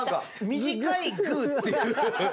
短いグーっていう。